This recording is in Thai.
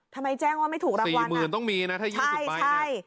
แจ้งว่าไม่ถูกรางวัลหมื่นต้องมีนะถ้า๒๐ใบใช่